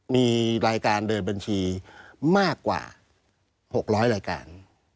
มีรายการเดินบัญชีมากกว่า๖๐๐รายการ